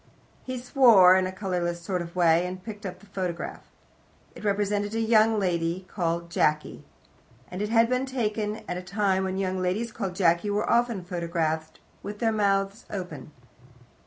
He swore in a colourless sort of way, and picked the photograph up. It represented a young lady called Jacky, and had been taken at the time when young ladies called Jacky were often photographed with their mouths open.